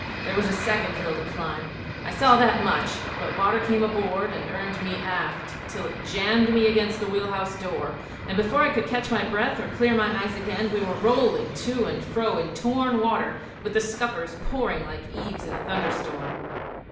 There was a second hill to climb; I saw that much: but the water came aboard and earned me aft till it jammed me against the wheel house door, and before I could catch breath or clear my eyes again we were rolling to and fro in torn water, with the scuppers pouring like eaves in a thunderstorm.